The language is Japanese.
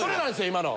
今の。